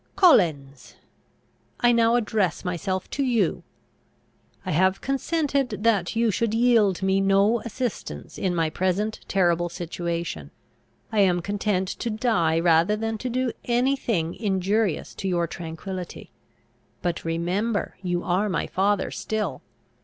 Collins! I now address myself to you. I have consented that you should yield me no assistance in my present terrible situation. I am content to die rather than do any thing injurious to your tranquillity. But remember, you are my father still!